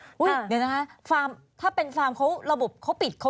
เดี๋ยวนะคะฟาร์มถ้าเป็นฟาร์มเขาระบบเขาปิดเขา